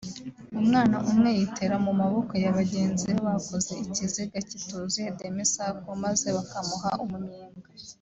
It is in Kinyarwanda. umwana umwe yitera mu maboko ya bagenzi be bakoze ikiziga kituzuye (demi-cercle) maze bakamuha umunyenga